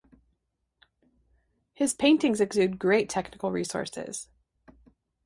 His paintings exude great technical resources.